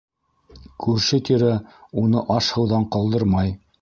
Күрше-тирә уны аш-һыуҙан ҡалдырмай.